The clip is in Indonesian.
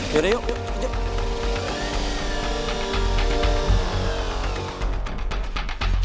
yaudah yuk yuk kejar